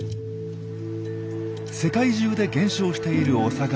世界中で減少しているオサガメ。